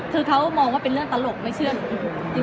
คือเขามองว่าเป็นเรื่องตลกไม่เชื่อหนู